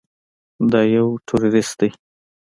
دا يو ټروريست دى.